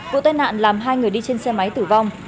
vụ tai nạn làm hai người đi trên xe máy tử vong